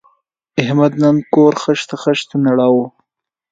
احمد نن کور خښته خښته نړاوه.